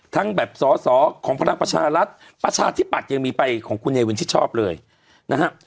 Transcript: แบบสอสอของพลังประชารัฐประชาธิปัตย์ยังมีไปของคุณเนวินชิดชอบเลยนะฮะ